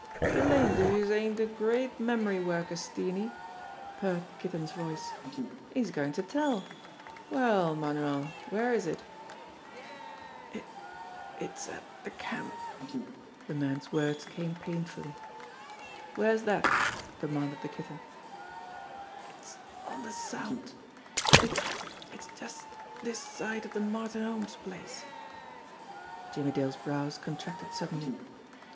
"Blamed if youse ain't a great memory worker, Steenie!" purred the Kitten's voice. "He's goin' to tell. Well, Manuel, where is it ?" "It it's at the camp." The man's words came painfully. "Where's dat?" demanded the Kitten. "It's on the Sound. It it's just this side of the Martin Holmes place." Jimmie Dale's brows contracted suddenly.